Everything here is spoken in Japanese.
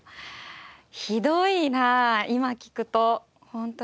ひどいなあ今聞くと本当に。